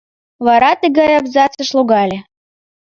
Вара тыгай абзацыш логале: